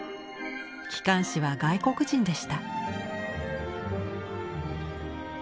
機関士は外国人でした。